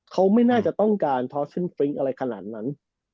เขาไม่น่าจะต้องการทอสซินฟริ้งอะไรขนาดนั้น